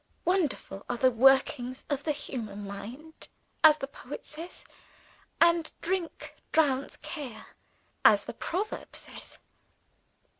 Wonderful are the workings of the human mind, as the poet says; and drink drowns care, as the proverb says.